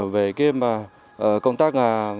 về công tác